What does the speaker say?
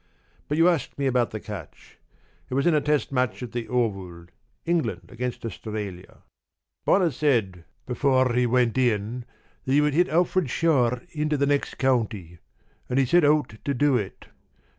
But you asked me about the catch. It was in a test match at the Oval England against Australia. Bonner said before he went in that he would hit Alfred Shaw into the next county, and he set out to do it.